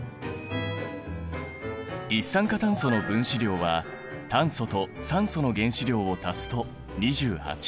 一酸化炭素の分子量は炭素と酸素の原子量を足すと２８。